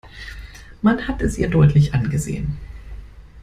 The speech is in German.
Man hat es ihr deutlich angesehen.